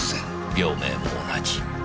病名も同じ。